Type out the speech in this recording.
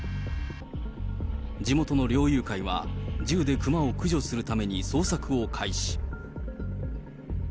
地元の猟友会は、銃で熊を駆除するために、捜索を開始。